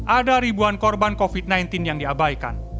ada ribuan korban covid sembilan belas yang diabaikan